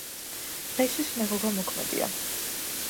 დღეისათვის სინაგოგა მოქმედია.